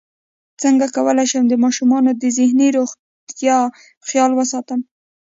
څنګه کولی شم د ماشومانو د ذهني روغتیا خیال وساتم